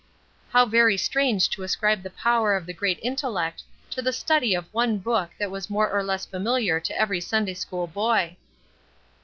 How very strange to ascribe the power of the great intellect to the study of one book that was more or less familiar to every Sunday school boy.